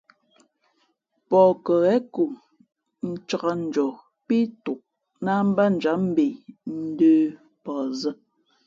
Pαh kάghen ko ncāk njαα pí tok láh batjǎm mbe ndə̌ pαh zᾱ.